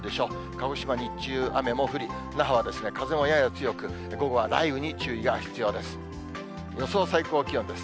鹿児島、日中、雨も降り、那覇は風もやや強く、午後は雷雨に注意が必要です。